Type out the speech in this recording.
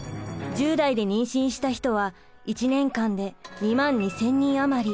１０代で妊娠した人は１年間で２万２，０００人余り。